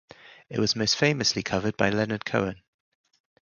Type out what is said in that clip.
It was most famously covered by Leonard Cohen.